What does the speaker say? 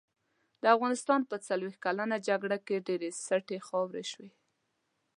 د افغانستان په څلوښت کلنه جګړه کې ډېرې سټې خاورې شوې دي.